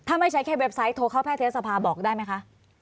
ถ้าไม่ใช่แค่เว็บไซต์โทรเข้าแพทยศภาบอกได้ไหมคะ